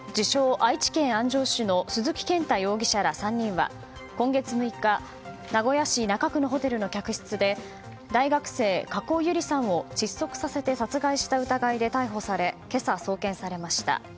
・愛知県安城市の鈴木健太容疑者ら３人は今月６日名古屋市中区のホテルの客室で大学生、加古結莉さんを窒息させて殺害した疑いで逮捕され、今朝送検されました。